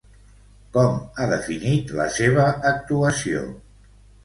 Com ha definit la seva actuació?